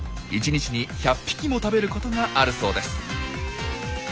１日に１００匹も食べることがあるそうです。